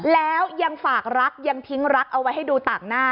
แล้วยังฝากรักยังทิ้งรักเอาไว้ให้ดูต่างหน้า